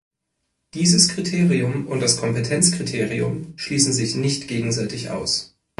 Dieses Kriterium und das Kompetenzkriterium schließen sich nicht gegenseitig aus.